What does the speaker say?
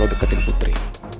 lo deketin putri